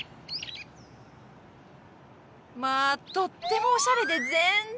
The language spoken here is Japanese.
まとってもおしゃれで全然。